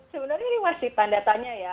sebenarnya ini masih tandatanya ya